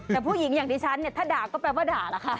แต่ผู้หญิงอย่างที่ฉันเนี่ยถ้าด่าก็แปลว่าด่าล่ะค่ะ